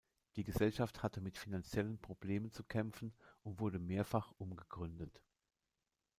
Die Gesellschaft hatte mit finanziellen Problemen zu kämpfen und wurde mehrfach umgegründet.